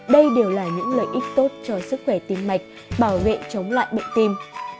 đây đều là những lợi ích tốt cho sức khỏe tim mạch bảo vệ chống lại bệnh tim